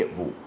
bảo vệ an ninh